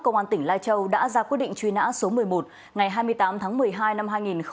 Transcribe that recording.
công an tỉnh lai châu đã ra quyết định truy nã số một mươi một ngày hai mươi tám tháng một mươi hai năm hai nghìn một mươi